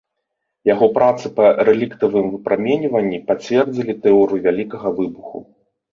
Яго працы па рэліктавым выпраменьванні пацвердзілі тэорыю вялікага выбуху.